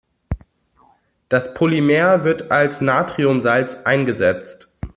Das Polymer wird als Natriumsalz eingesetzt.